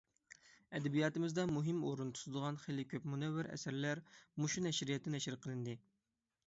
ئەدەبىياتىمىزدا مۇھىم ئورۇن تۇتىدىغان خېلى كۆپ مۇنەۋۋەر ئەسەرلەر مۇشۇ نەشرىياتتا نەشر قىلىندى.